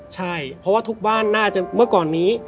ใช่เพราะว่าทุกบ้านน่าจะเมื่อก่อนนี้